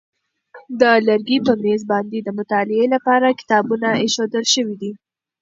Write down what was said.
د لرګي په مېز باندې د مطالعې لپاره کتابونه ایښودل شوي دي.